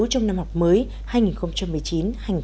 trong năm học mới hai nghìn một mươi chín hai nghìn hai mươi